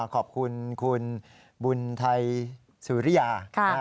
ขอบคุณคุณบุญไทยสุริยา